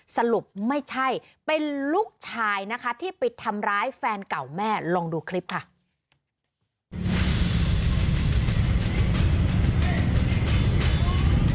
สรุปไม่ใช่เป็นลูกชายนะคะที่ไปทำร้ายแฟนเก่าแม่ลองดูคลิปค่ะ